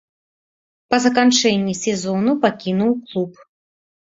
Па заканчэнні сезону пакінуў клуб.